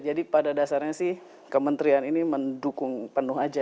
jadi pada dasarnya sih kementerian ini mendukung penuh aja